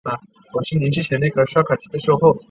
要怎么被看到